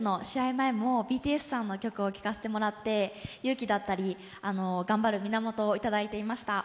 前もＢＴＳさんの曲を聴かせていただいて、勇気だったり頑張る源をいただいていました。